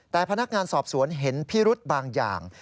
แต่พนักงานสอบสวนเห็นพิรุธบางอย่าง